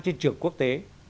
trên trường quốc tế